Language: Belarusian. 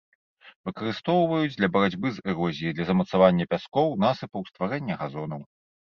Выкарыстоўваюць для барацьбы з эрозіяй, для замацавання пяскоў, насыпаў, стварэння газонаў.